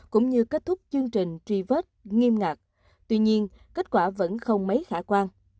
cũng như kết thúc chương trình truy vết nghiêm ngặt tuy nhiên kết quả vẫn không mấy khả quan